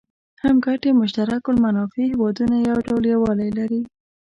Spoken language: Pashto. هم ګټي مشترک المنافع هېوادونه یو ډول یووالی لري.